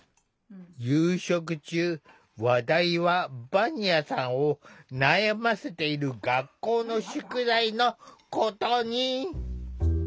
夕食中話題はヴァニアさんを悩ませている学校の宿題のことに。